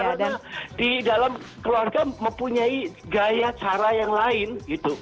karena di dalam keluarga mempunyai gaya cara yang lain gitu